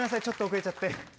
ちょっと遅れちゃって。